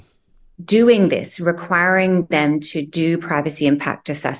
melakukan ini memperluas mereka untuk melakukan penilaian risiko privasi